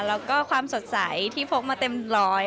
แล้วก็ความสดใสที่พกมาเต็มร้อย